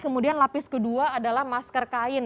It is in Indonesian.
kemudian lapis kedua adalah masker kain